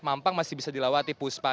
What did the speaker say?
mampang masih bisa dilewati puspa